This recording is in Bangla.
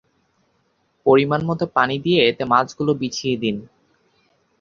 পরিমাণমতো পানি দিয়ে এতে মাছগুলো বিছিয়ে দিন।